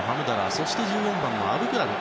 そして１４番のアブクラル。